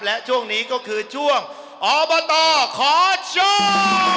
และช่วงนี้ก็คือช่วงอบตขอโชค